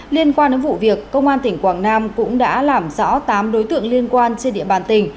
liên quan đến vụ việc công an tỉnh quảng nam cũng đã làm rõ tám đối tượng liên quan trên địa bàn tỉnh